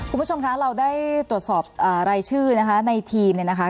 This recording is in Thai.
คุณผู้ชมคะเราได้ตรวจสอบรายชื่อนะคะในทีมเนี่ยนะคะ